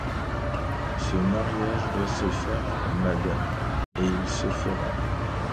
Ce mariage doit se faire, madame, et il se fera.